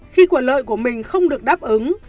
khi quyền lợi của mình không được đáp ứng